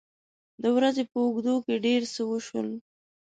د ورځې په اوږدو کې ډېر څه وشول.